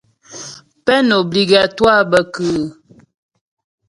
Peine obligatoire bə kʉ́ʉ́ ?